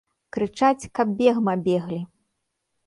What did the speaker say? Крычаць, каб бегма беглі.